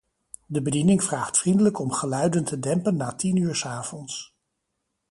De bediening vraagt vriendelijk om geluiden te dempen na tien uur 's avonds.